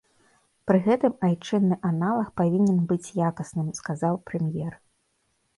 Пры гэтым айчынны аналаг павінен быць якасным, сказаў прэм'ер.